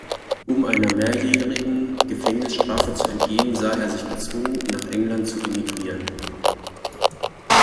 Um einer mehrjährigen Gefängnisstrafe zu entgehen, sah er sich gezwungen, nach England zu emigrieren.